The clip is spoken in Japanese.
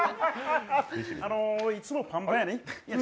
あの、いつもパンパンやね。